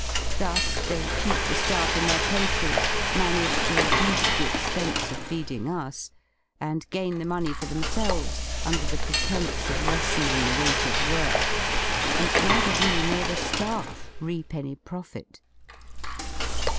Thus they keep the sT:aff in their places, manage to reduce the expense of feeding us, and gain the money for themselves under the pretence of lessening the waiters' work, and neither we nor the ^aff reap any profit.